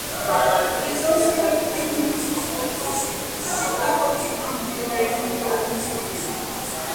It is also within metres of the Classics faculty and the Oriental Institute.